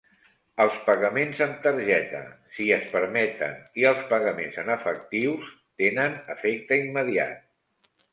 Els pagaments amb targeta, si es permeten, i els pagaments en efectius tenen efecte immediat.